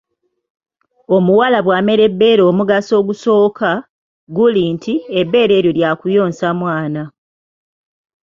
Omuwala bw'amera ebbeere omugaso ogusooka, guli nti, ebbeere eryo lya kuyonsa mwana.